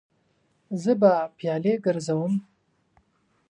زه به پیالې ګرځوم.